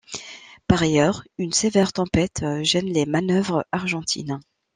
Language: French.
Par ailleurs, une sévère tempête gêne les manœuvres argentines.